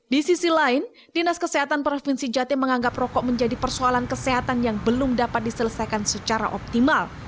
di sisi lain dinas kesehatan provinsi jatim menganggap rokok menjadi persoalan kesehatan yang belum dapat diselesaikan secara optimal